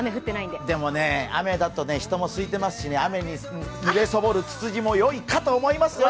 でもね、雨だと人もすいていますし雨に濡れそぼるつつじもいいかと思いますよ。